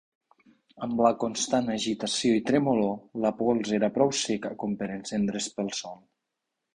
Amb la constant agitació i tremolor, la pols era prou seca com per encendre's pel sol.